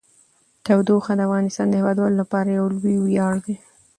تودوخه د افغانستان د هیوادوالو لپاره یو لوی ویاړ دی.